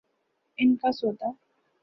ان کا سودا؟